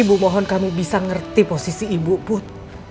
ibu mohon kamu bisa ngerti posisi ibu put